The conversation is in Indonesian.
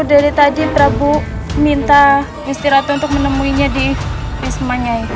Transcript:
dari tadi prabu minta gustiratu untuk menemuinya di pismanyai